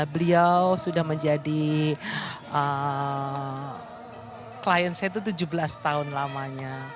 beliau sudah menjadi klien saya itu tujuh belas tahun lamanya